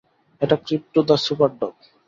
এটা Krypto the Superdog!